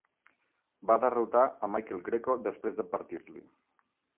Va derrotar a Michael Greco després d'advertir-li.